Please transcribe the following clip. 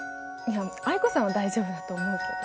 藍子さんは大丈夫だと思うけど。